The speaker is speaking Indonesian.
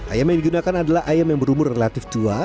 ayam yang digunakan adalah ayam yang berumur relatif tua